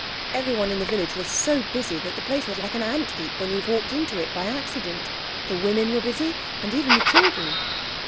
Everyone in the village was so busy that the place was like an ant heap when you have walked into it by accident. The women were busy and even the children.